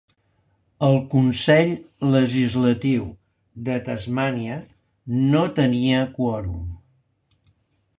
El Consell Legislatiu de Tasmània no tenia quòrum.